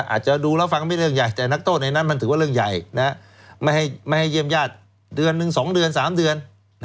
อาจจะดูแล้วฟังไม่เรื่องใหญ่แต่นักโทษในนั้นมันถือว่าเรื่องใหญ่ไม่ให้เยี่ยมญาติเดือนหนึ่ง๒เดือน๓เดือน